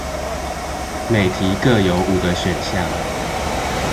每題各有五個選項